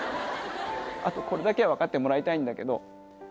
あとこれだけはわかってもらいたいんだけど。